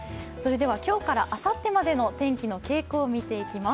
今日からあさってまでの天気の傾向を見ていきます。